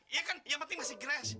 iya kan yang penting masih grash